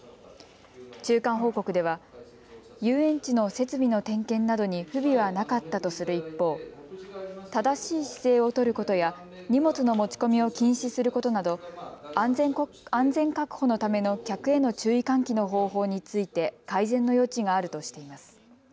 中間報告では遊園地の設備の点検などに不備はなかったとする一方、正しい姿勢を取ることや荷物の持ち込みを禁止することなど、安全確保のための客への注意喚起の方法について改善の余地があるとしています。